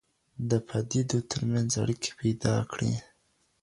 د پديدو تر منځ اړيکي پيدا کړئ.